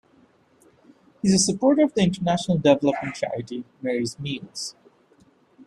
He is a supporter of the international development charity Mary's meals.